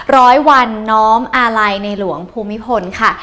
ร้อยวันน้อมอาลัยในหลวงภูมิพลค่ะ